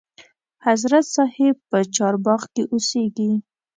حضرت صاحب په چارباغ کې اوسیږي.